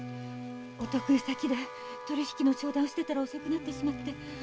お得意先で取り引きの商談をしてたら遅くなってしまって。